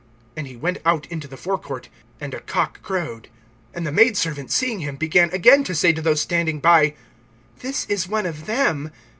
And he went out into the fore court; and a cock crowed. (69)And the maid servant, seeing him, began again to say to those standing by: This is one of them.